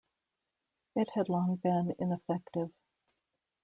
It had long been ineffective.